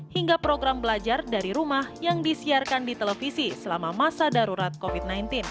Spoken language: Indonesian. hingga program belajar dari rumah yang disiarkan di televisi selama masa darurat covid sembilan belas